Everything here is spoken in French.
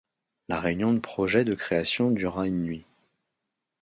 La réunion de projet de création dura une nuit.